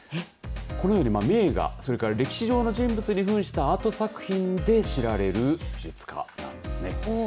このように名画歴史上の人物にふんしたアート作品で知られる芸術家なんですね。